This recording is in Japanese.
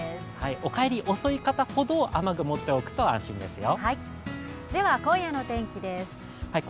お帰り、遅い方ほど雨具を持っておくと安心ですよ。